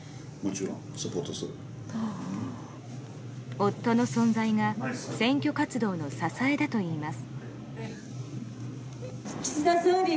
夫の存在が選挙活動の支えだといいます。